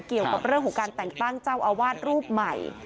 เกี่ยวกับเรื่องของการแต่งตั้งเจ้าอาวาสรูปใหม่